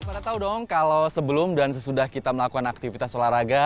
pada tau dong kalau sebelum dan sesudah kita melakukan aktivitas olahraga